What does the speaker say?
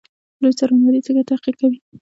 لوی څارنوالي څنګه تحقیق کوي؟